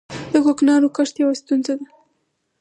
د کوکنارو کښت یوه ستونزه ده